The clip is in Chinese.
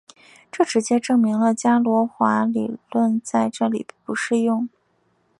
这直接证明了伽罗华理论在这里不适用。